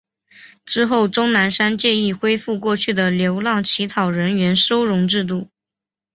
之后钟南山建议恢复过去的流浪乞讨人员收容制度。